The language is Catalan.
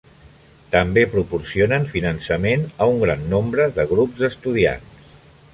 També proporcionen finançament a un gran nombre de grups d'estudiants.